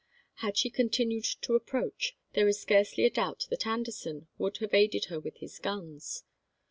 Had she continued to approach, there is scarcely a doubt that Anderson would have aided her with his guns.